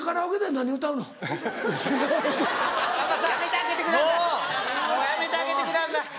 もうやめてあげてください。